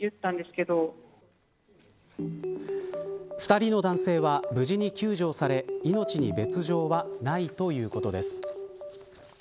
２人の男性は無事に救助をされ命に別条はないということです。